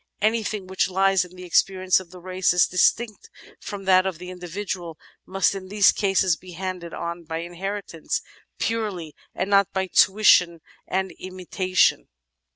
Anything which lies in the experience of the race, as distinct from that of the indi vidual, must in these cases be handed on by inheritance purely and not by tuition and imitation.